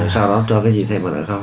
sau đó cho cái gì thêm vào lại không